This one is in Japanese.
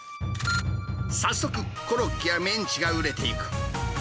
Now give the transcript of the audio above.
早速、コロッケやメンチが売れていく。